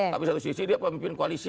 tapi satu sisi dia pemimpin koalisi